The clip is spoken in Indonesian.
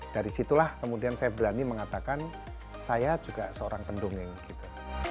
dari situlah kemudian saya berani mengatakan saya juga seorang pendongeng gitu